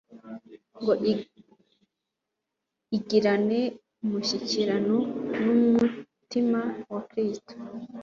ngo igirane umushyikirano n'umutima wa Kristo.